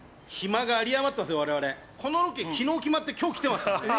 このロケ、昨日決まって今日来てますから。